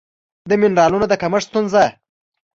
د مېنرالونو د کمښت ستونزه